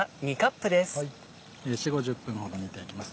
４０５０分ほど煮ていきます